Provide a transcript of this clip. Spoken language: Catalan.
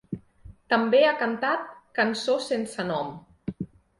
També ha cantat ‘Cançó sense nom’.